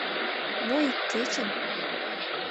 Но ик кечын...